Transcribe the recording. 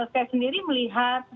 saya sendiri melihat